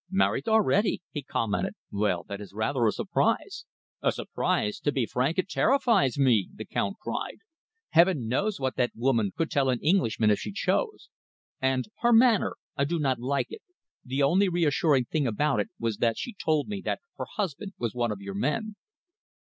"Married already!" he commented. "Well, that is rather a surprise." "A surprise? To be frank, it terrifies me!" the Count cried. "Heaven knows what that woman could tell an Englishman, if she chose! And her manner I did not like it. The only reassuring thing about it was that she told me that her husband was one of your men."